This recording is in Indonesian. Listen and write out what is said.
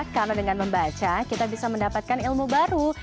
karena dengan membaca kita bisa mendapatkan ilmu baru